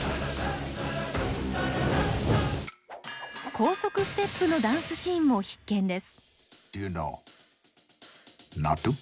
高速ステップのダンスシーンも必見です。